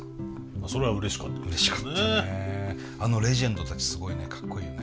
あのレジェンドたちすごいねかっこいいよね。